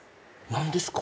何ですか？